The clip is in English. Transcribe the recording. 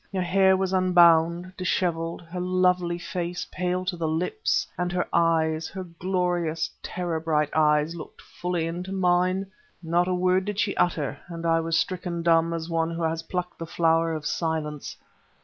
Her hair was unbound, disheveled, her lovely face pale to the lips and her eyes, her glorious, terror bright eyes, looked fully into mine.... Not a word did she utter, and I was stricken dumb as one who has plucked the Flower of Silence.